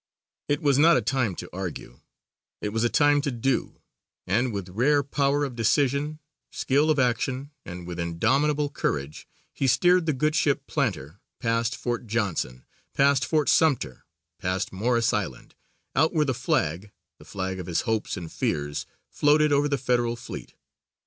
It was not a time to argue, it was a time to do; and with rare power of decision, skill of action and with indomitable courage, he steered the good ship Planter past Fort Johnson, past Fort Sumter, past Morris Island, out where the flag, the flag of his hopes and fears floated over the federal fleet.